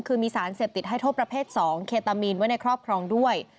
คือมีสารเสพติดให้โทษประเภท๒เคตามีนไว้ในครอบครองด้วย